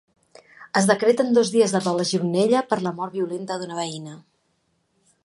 Es decreten dos dies de dol a Gironella per la mort violenta d'una veïna.